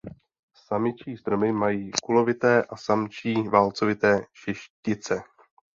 Samičí stromy mají kulovité a samčí válcovité šištice.